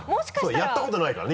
やったことないからね